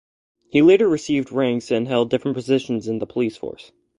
He later received ranks and held different positions in the police force.